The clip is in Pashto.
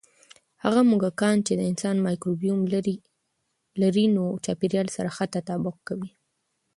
هغه موږکان چې د انسان مایکروبیوم لري، نوي چاپېریال سره ښه تطابق کوي.